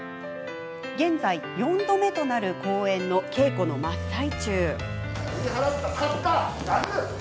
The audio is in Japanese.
現在、４度目となる公演の稽古の真っ最中。